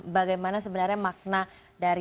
bagaimana sebenarnya makna dari imlek itu sendiri